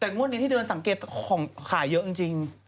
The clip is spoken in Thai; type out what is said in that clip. แต่งวดนี้ที่เดินสังเกตของขายเยอะจริง